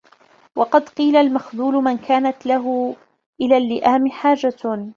وَقَدْ قِيلَ الْمَخْذُولُ مَنْ كَانَتْ لَهُ إلَى اللِّئَامِ حَاجَةٌ